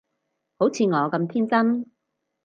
好似我咁天真